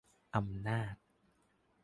อำนาจ